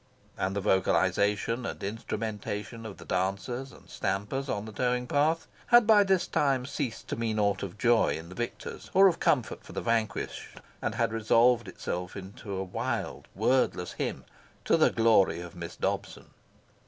And the vocalisation and instrumentation of the dancers and stampers on the towing path had by this time ceased to mean aught of joy in the victors or of comfort for the vanquished, and had resolved itself into a wild wordless hymn to the glory of Miss Dobson.